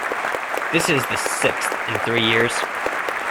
This is the sixth in three years.